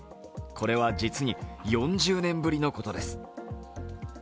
これは実に４０年ぶりのことです。